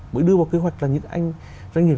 mỗi đưa vào kế hoạch là những doanh nghiệp